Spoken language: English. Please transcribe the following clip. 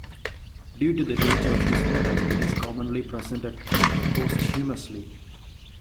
Due to the nature of this medal, it is commonly presented posthumously.